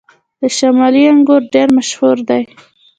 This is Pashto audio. د شمالي انګور ډیر مشهور دي